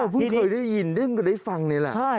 เพิ่งเคยได้ยินดึ้งก็ได้ฟังนี่แหละ